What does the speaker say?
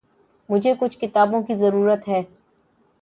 مجھے کچھ کتابوں کی ضرورت ہے۔